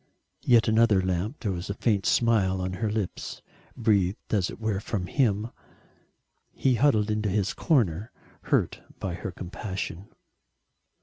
Yet another lamp, there was a faint smile on her lips breathed as it were from him. He huddled into his corner, hurt by her compassion.